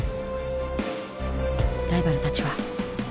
ライバルたちは。